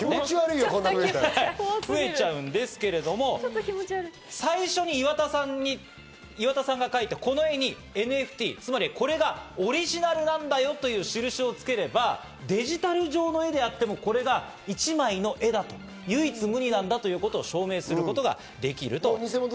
全く同じ絵なわけで気持ち悪いよ！増えちゃうんですけど、最初に岩田さんが描いたこの絵にＮＦＴ、つまりこれがオリジナルなんだという印を付ければ、デジタル上の絵になってもこれが一枚の絵だと、唯一無二なんだということを証明することができると。